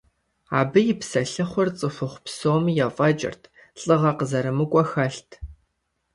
Абы и псэлъыхъур цӀыхухъу псоми ефӀэкӀырт, лӀыгъэ къызэрымыкӀуэ хэлът.